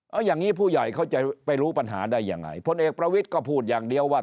เอาอย่างนี้ผู้ใหญ่เขาจะไปรู้ปัญหาได้ยังไงพลเอกประวิทย์ก็พูดอย่างเดียวว่า